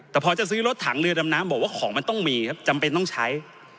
แต่พอจะซื้อรถถังเรือดำน้ำบอกว่าของมันต้องมีครับจำเป็นต้องใช้